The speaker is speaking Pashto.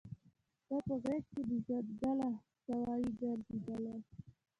نه په غېږ کي د ځنګله سوای ګرځیدلای